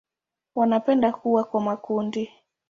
Wanapenda kuwa kwa makundi.